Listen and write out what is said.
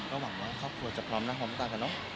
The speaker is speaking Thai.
ก็หวังว่าครอบครัวจะพร้อมนะครอบครัวต่างกันเนาะ